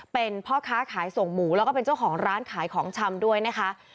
เป็นพ่อค้าขายส่งหมูแล้วก็เป็นเจ้าของร้านขายของชำด้วยนะคะ